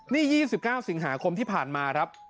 นี่๒๙สิงหาคมที่ผ่านมาครับ